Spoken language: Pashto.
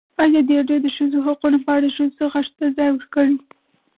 ازادي راډیو د د ښځو حقونه په اړه د ښځو غږ ته ځای ورکړی.